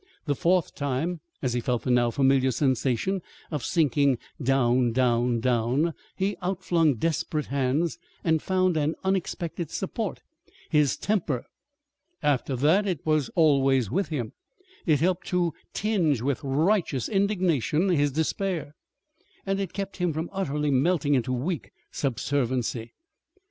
The fourth time, as he felt the now familiar sensation of sinking down, down, down, he outflung desperate hands and found an unexpected support his temper. After that it was always with him. It helped to tinge with righteous indignation his despair, and it kept him from utterly melting into weak subserviency.